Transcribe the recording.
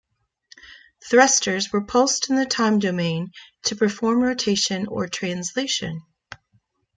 Thrusters were pulsed in the time domain to perform rotation or translation.